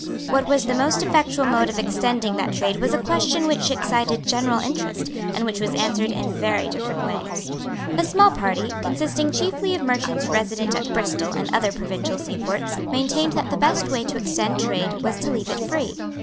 What was the most effectual mode of extending that trade was a question which excited general interest, and which was answered in very different ways. A small party, consisting chiefly of merchants resident at Bristol and other provincial seaports, maintained that the best way to extend trade was to leave it free.